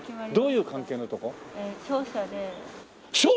どういう関係のとこ？